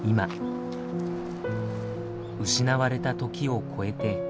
失われた時をこえて。